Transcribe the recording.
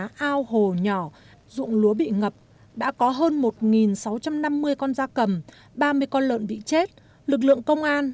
các ao hồ nhỏ dụng lúa bị ngập đã có hơn một sáu trăm năm mươi con da cầm ba mươi con lợn bị chết lực lượng công an